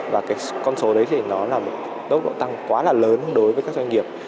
và cái con số đấy thì nó là một tốc độ tăng quá là lớn đối với các doanh nghiệp